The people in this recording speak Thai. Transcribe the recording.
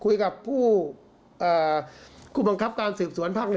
คุยกับผู้บังกับคนบังคับการสืบสวนภาค๑